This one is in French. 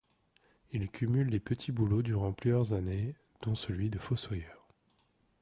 Il cumule les petits boulots durant plusieurs années, dont celui de fossoyeur.